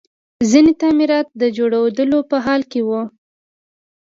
ځینې تعمیرات د جوړېدلو په حال کې وو